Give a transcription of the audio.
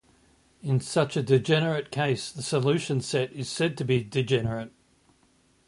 In such a degenerate case, the solution set is said to be degenerate.